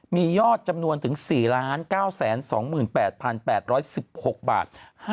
มียอดจำนวนถึง๔๙๒๘๘๑๖บาท